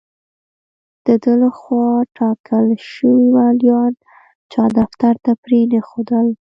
د ده له خوا ټاکل شوي والیان چا دفتر ته پرې نه ښودل.